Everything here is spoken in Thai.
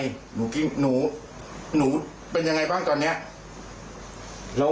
ภิกรไทยนายเป็นอย่างไรบ้างตอนนี้